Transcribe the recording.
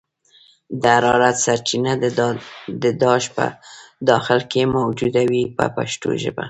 د حرارت سرچینه د داش په داخل کې موجوده وي په پښتو ژبه.